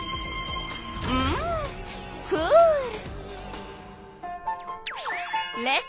うんクール！